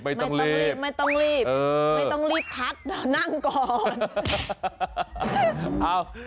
ไม่ต้องรีบพัดเดี๋ยวนั่งก่อน